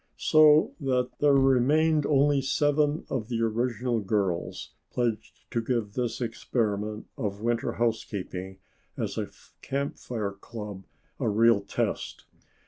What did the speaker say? So that there remained only seven of the original girls pledged to give this experiment of winter housekeeping as a Camp Fire club a real test.